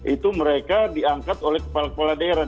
itu mereka diangkat oleh kepala kepala daerah